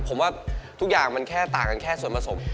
ผมว่าทุกอย่างมันแค่ต่างกันแค่ส่วนผสม